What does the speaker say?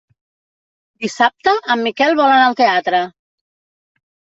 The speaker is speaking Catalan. Dissabte en Miquel vol anar al teatre.